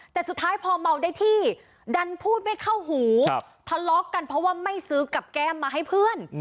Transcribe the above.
แต่สุดท้ายพอเมาได้ที่ดันพูดไม่เข้าหูทะเลาะกันเพราะว่าไม่ซื้อกับแก้มมาให้เพื่อน